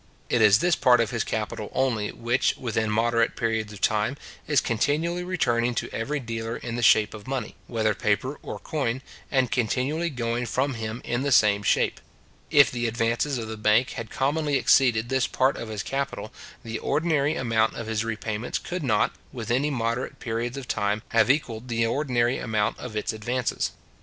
It is this part of his capital only which, within moderate periods of time, is continually returning to every dealer in the shape of money, whether paper or coin, and continually going from him in the same shape. If the advances of the bank had commonly exceeded this part of his capital, the ordinary amount of his repayments could not, within moderate periods of time, have equalled the ordinary amount of its advances.